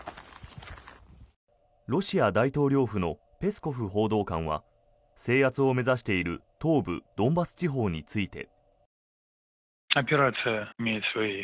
ロシア大統領府のペスコフ報道官は制圧を目指している東部ドンバス地方について。